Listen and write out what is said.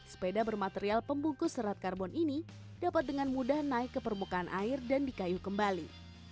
sepeda bermaterial pembungkus serat karbon ini dapat dengan mudah naik ke permukaan air dan dikayu kembali